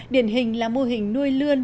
điển hình là mô hình nuôi lươn